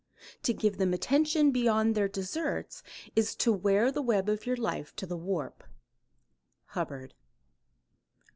To give them attention beyond their deserts is to wear the web of your life to the warp." Hubbard.